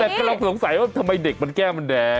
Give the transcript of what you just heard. แต่กำลังสงสัยว่าทำไมเด็กมันแก้วมันแดง